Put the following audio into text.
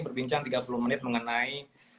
berbincang tiga puluh menit mengenai